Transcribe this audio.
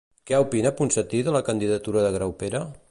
Què opina Ponsatí de la candidatura de Graupera?